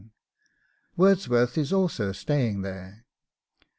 Wordsworth is also staying there.